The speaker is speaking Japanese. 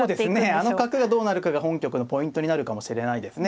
あの角がどうなるかが本局のポイントになるかもしれないですね。